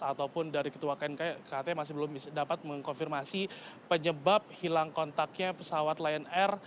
ataupun dari ketua knkt masih belum dapat mengkonfirmasi penyebab hilang kontaknya pesawat lion air